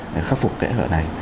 để khắc phục kẽ hở này